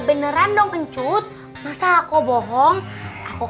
beneran dong uncut masa aku bohong aku kan baru selesai ngaji nggak boleh